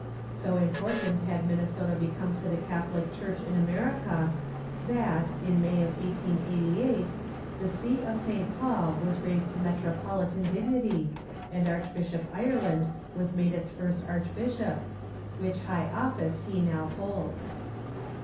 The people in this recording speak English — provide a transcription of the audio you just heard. So important had Minnesota become to the Catholic Church in America that, in May of 1888, the see of St. Paul was raised to metropolitan dignity and Archbishop Ireland was made its first Archbishop, which high office he now holds.